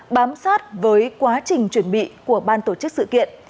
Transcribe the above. bám sát với quá trình chuẩn bị của ban tổ chức sự kiện